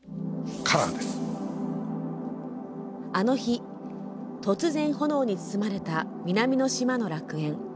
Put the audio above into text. あの日、突然、炎に包まれた南の島の楽園。